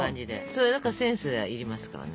それだからセンスが要りますからね。